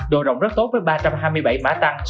độ rộng rất tốt với ba trăm hai mươi bảy mã tăng